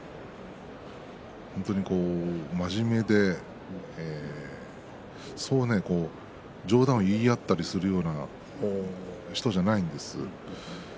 本当に真面目でそんなに冗談を言い合ったりするような人じゃないんです。